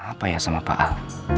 apa ya sama pak al